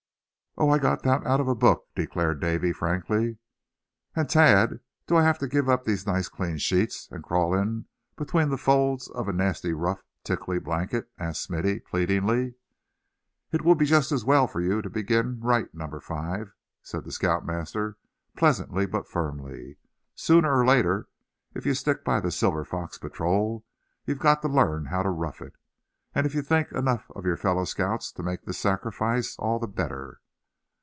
"Oh! I got that out of a book," declared Davy, frankly. "And Thad, do I have to give up these nice clean sheets; and crawl in between the folds of a nasty, rough, tickly blanket?" asked Smithy, pleadingly. "It will be just as well for you to begin right, Number Five," said the scout master, pleasantly but firmly. "Sooner or later, if you stick by the Silver Fox Patrol, you've got to learn how to rough it. And if you think enough of your fellow scouts to make this sacrifice, all the better."